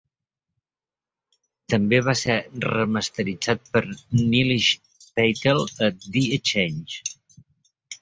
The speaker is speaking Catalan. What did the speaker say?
També va ser remasteritzat per Nilesh Patel a The Exchange.